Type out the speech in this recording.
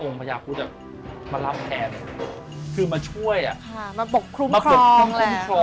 องค์พญาพุทธอะมารับแผนคือมาช่วยอะมาปกคลุ้มครองแหละ